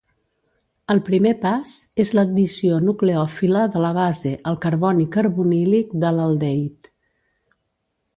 El primer pas és l'addició nucleòfila de la base al carboni carbonílic de l'aldehid.